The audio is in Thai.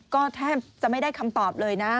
ก็แทบจะไม่ได้คำตอบเลยนะ